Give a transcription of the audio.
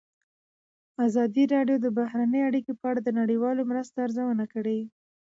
ازادي راډیو د بهرنۍ اړیکې په اړه د نړیوالو مرستو ارزونه کړې.